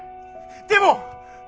でも！